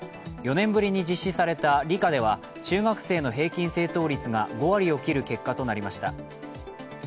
４年ぶりに実施された理科では中学生の平均正答率が５割を切る結果となりました。